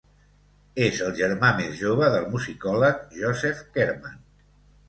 És el germà més jove del musicòleg Joseph Kerman.